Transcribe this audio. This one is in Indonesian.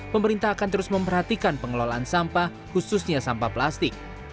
pemerintah akan terus memperhatikan pengelolaan sampah khususnya sampah plastik